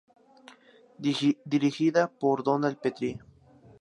Dirigida por Donald Petrie.